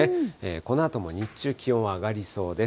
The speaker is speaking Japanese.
このあとも日中、気温は上がりそうです。